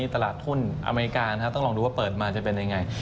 ตลาดทุนอเมริกาต้องลองดูว่าเปิดมาจะเป็นยังไง